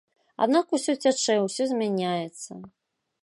Аднак усё цячэ, усё змяняецца.